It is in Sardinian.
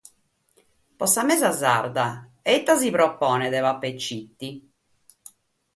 Pro Sa mesa sarda e ite nos proponet Pappa e Citti?